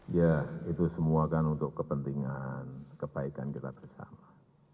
ya itu semua kan untuk kepentingan kebaikan kita bersama